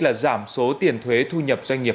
là giảm số tiền thuế thu nhập doanh nghiệp